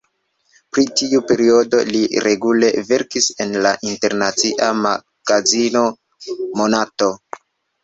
Pri tiu periodo li regule verkis en la internacia magazino Monato.